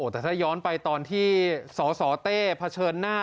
แต่ถ้าย้อนไปตอนที่สสเต้เผชิญหน้า